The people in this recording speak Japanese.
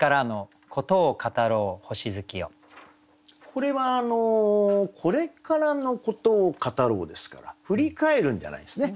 これは「これからの事を語らふ」ですから振り返るんじゃないですね。